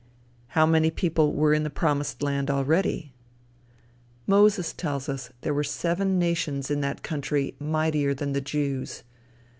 How many people were in the promised land already? Moses tells us there were seven nations in that country mightier than the Jews.